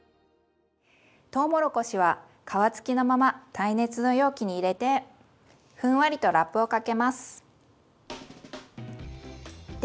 とうもろこしは皮付きのまま耐熱の容器に入れてふんわりとラップをかけます。